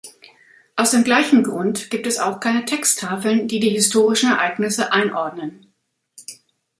Aus dem gleichen Grund gibt es auch keine Texttafeln, die die historischen Ereignisse einordnen.